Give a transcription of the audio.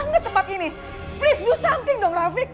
liat tuh yang ada di rumah